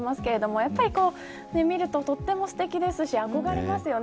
やっぱり見ると、とてもすてきですし、憧れますよね。